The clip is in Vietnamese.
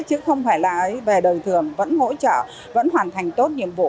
chứ không phải là về đời thường vẫn hỗ trợ vẫn hoàn thành tốt nhiệm vụ